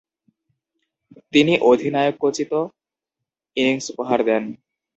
তিনি অধিনায়কোচিত ইনিংস উপহার দেন।